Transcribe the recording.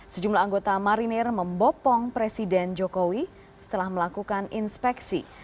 sejumlah anggota marinir membopong presiden jokowi setelah melakukan inspeksi